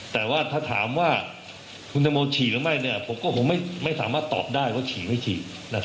แต่ว่าถ้าถามว่าคุณตังโมฉี่หรือไม่ผมก็คงไม่สามารถตอบได้ว่าฉี่ไม่ฉี่